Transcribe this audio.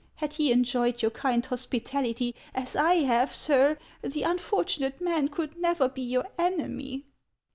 Had he enjoyed your kind hospitality as I have, sir, the unfortunate man could never be your enemy."